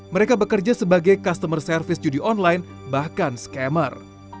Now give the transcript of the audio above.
mereka bekerja sebagai customer service judi online bahkan scammer